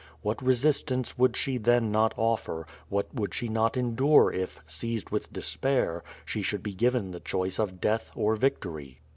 What resistance would she then not offer, what would she not endure if, seized with despair, she should be given the choice of death or victory?